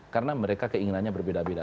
karena mereka keinginannya berbeda beda